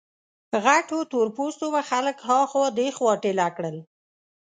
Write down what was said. غټو تور پوستو به خلک ها خوا دې خوا ټېله کړل.